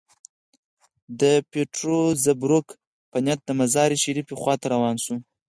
د پیټرزبورګ په نیت د مزار شریف خوا ته روان شو.